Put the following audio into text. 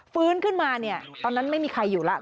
ฟื้นขึ้นมาเนี่ยตอนนั้นไม่มีใครอยู่แล้ว